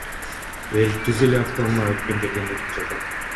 Эл түз эле автоунаа өткөн жерден өтүп жатат.